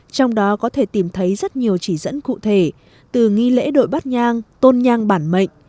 trong đó có thể tìm thấy rất nhiều chỉ dẫn cụ thể từ nghi lễ đội bát nhang tôn nhang bản mệnh